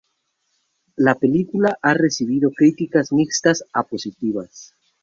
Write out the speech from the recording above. La película ha recibido críticas mixtas a positivas.